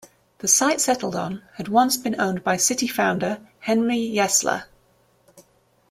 The site settled on had once been owned by city founder Henry Yesler.